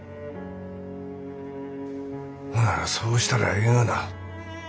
ほならそうしたらええがな。